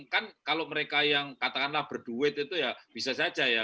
kan kalau mereka yang katakanlah berduit itu ya bisa saja ya